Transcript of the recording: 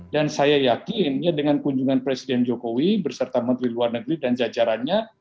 dan saya yakin ya dengan kunjungan presiden jokowi berserta menteri luar negeri dan jajarannya